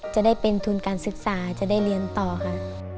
จะได้เป็นทุนการศึกษาจะได้เรียนต่อค่ะ